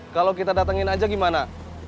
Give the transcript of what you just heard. kalau kita datengin aja gimana